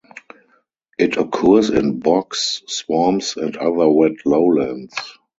It occurs in bogs, swamps and other wet lowlands.